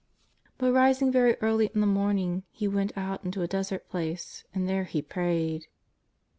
But, rising very early in the morning, He went out into a des ert place and there He prayed.